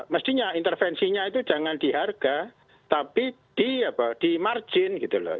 mestinya intervensinya itu jangan di harga tapi di margin gitu loh